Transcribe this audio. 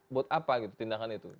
buat apa tindakan itu